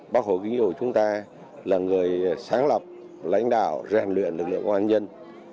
bác hồ kinh hồ chúng ta là người sáng lập lãnh đạo giàn luyện lực lượng công an nhân